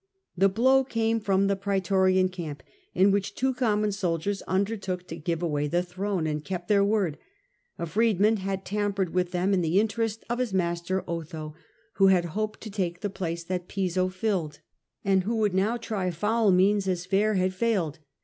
The blow came from the praetorian camp, in which two common soldiers undertook to give away the throne, and but Otho word. A freedman had tampered intrigued with them in the interest of his master Otho, ^MiersV who had hoped to take the place that Piso the guard, filled, and who would now try foul means, as fair had failed.